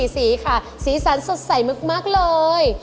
๒๔สีค่ะสีสันสดใสมึกมักเลย